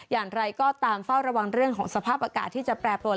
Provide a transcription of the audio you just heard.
อย่างไรก็ตามเฝ้าระวังเรื่องของสภาพอากาศที่จะแปรปรวน